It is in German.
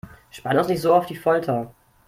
Spanne uns nicht so auf die Folter!